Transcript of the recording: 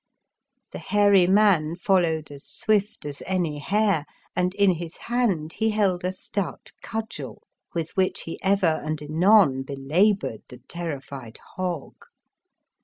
The hairy man followed as swift as any hare, and in his hand he held a stout cudgel, with which he ever and anon bela boured the terrified hog.